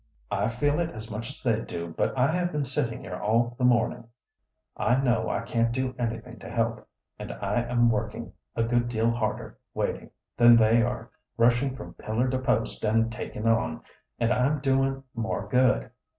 I feel it as much as they do, but I have been sitting here all the morning; I know I can't do anything to help, and I am working a good deal harder, waiting, than they are, rushing from pillar to post and taking on, and I'm doing more good.